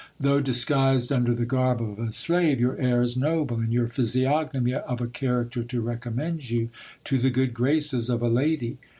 Though disguised under the garb of a slave, your air is noble, and your physiognomy of a character to recommend you to the good graces of a lady.